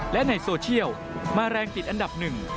และในโซเชียลมาแรงติดอันดับหนึ่ง